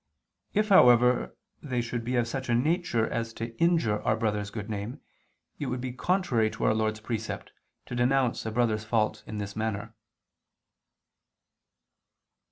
If, however, they should be of such a nature as to injure our brother's good name, it would be contrary to Our Lord's precept, to denounce a brother's fault in this manner.